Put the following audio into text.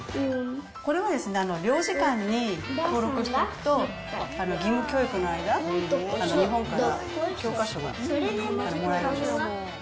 これは領事館に登録しておくと、義務教育の間、日本から教科書がもらえるんです。